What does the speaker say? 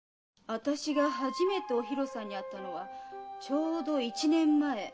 私が初めておひろさんに会ったのはちょうど一年前。